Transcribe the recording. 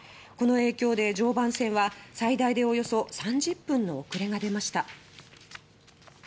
この影響で常磐線は最大でおよそ３０分の遅れが出ました。